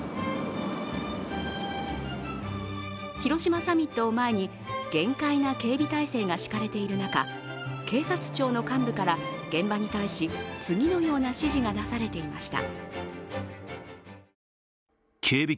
広島サミットを前に厳戒な警備態勢が敷かれている中、警察庁の幹部から現場に対し次のような指示が出されていました。